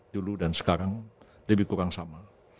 dulu dan sekarang lebih kurang sama